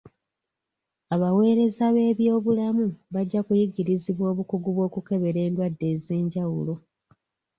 Abaweereza b'ebyobulamu bajja kuyigirizibwa obukugu bw'okukebera endwadde ez'enjawulo.